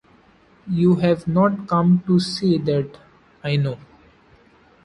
You have not come to say that, I know.